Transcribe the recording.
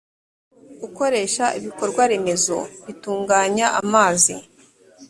ukoresha ibikorwaremezo bitunganya amazi